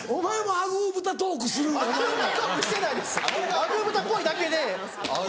アグー豚っぽいだけで。